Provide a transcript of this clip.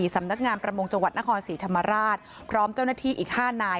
สำนักงานประมงจังหวัดนครศรีธรรมราชพร้อมเจ้าหน้าที่อีก๕นาย